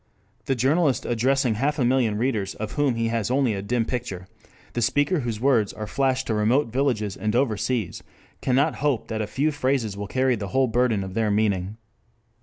_] The journalist addressing half a million readers of whom he has only a dim picture, the speaker whose words are flashed to remote villages and overseas, cannot hope that a few phrases will carry the whole burden of their meaning.